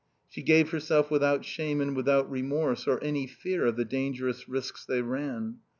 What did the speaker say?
She gave herself without shame and without remorse, or any fear of the dangerous risks they ran.